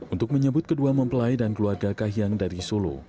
untuk menyebut kedua mempelai dan keluarga kahiyang dari solo